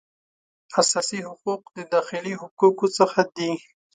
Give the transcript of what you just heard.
اساسي حقوق د داخلي حقوقو څخه دي